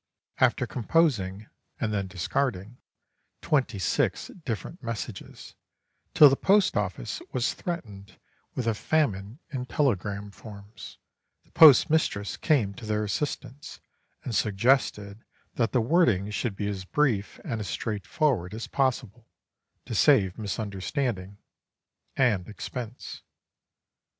After composing—and then discarding—twenty six different messages, till the post office was threatened with a famine in telegram forms, the post mistress came to their assistance, and suggested that the wording should be as brief and as straightforward as possible, to save misunderstanding—and expense.